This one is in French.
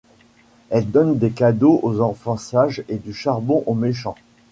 Elle donne des cadeaux aux enfants sages et du charbon aux méchants.